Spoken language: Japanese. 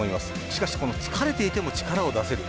しかし、疲れていても力を出せる。